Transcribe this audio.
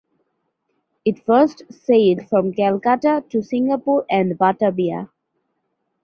It first sailed from Calcutta to Singapore and Batavia.